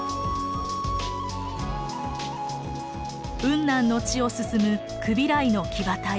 雲南の地を進むクビライの騎馬隊。